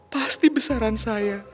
pasti besaran saya